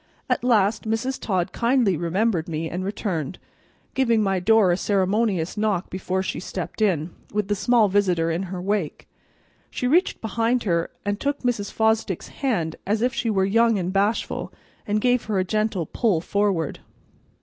At last Mrs. Todd kindly remembered me and returned, giving my door a ceremonious knock before she stepped in, with the small visitor in her wake. She reached behind her and took Mrs. Fosdick's hand as if she were young and bashful, and gave her a gentle pull forward.